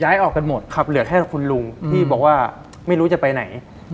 ออกกันหมดครับเหลือแค่คุณลุงที่บอกว่าไม่รู้จะไปไหน